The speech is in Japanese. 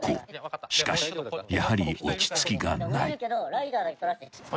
［しかしやはり落ち着きがない］